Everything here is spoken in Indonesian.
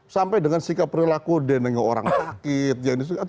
sampai dengan sikap perilaku dengan orang sakit